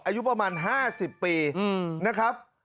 อายุประมาณ๕๐ปีนะครับ